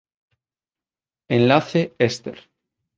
Enlace éster.